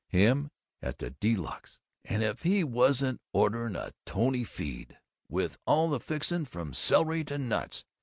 Him at the De Luxe! And if he wasn't ordering a tony feed with all the "fixings" from celery to nuts!